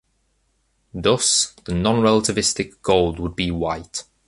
Thus, the non-relativistic gold would be white.